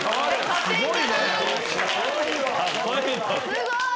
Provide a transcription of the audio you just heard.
すごい。